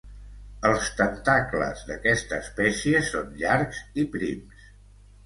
Els tentacles d'aquesta espècie són llargs i prims.